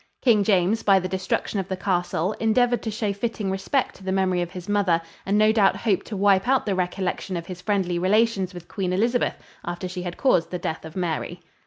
King James, by the destruction of the castle, endeavored to show fitting respect to the memory of his mother and no doubt hoped to wipe out the recollection of his friendly relations with Queen Elizabeth after she had caused the death of Mary.